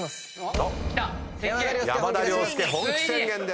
山田涼介本気出します。